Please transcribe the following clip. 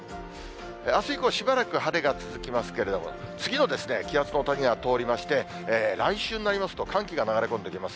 あす以降、しばらく晴れが続きますけれども、次の気圧の谷が通りまして、来週になりますと、寒気が流れ込んできます。